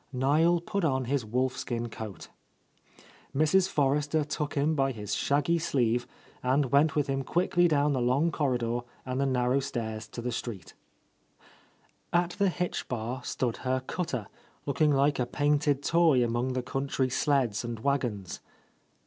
Niel put on his wolfskin coat. Mrs. Forrester took him by his shaggy sleeve and went with him quickly down the long corridor and the narrow stairs to the street At the hitch bar stood her cutter, looking like a painted toy among the country sleds and wagons.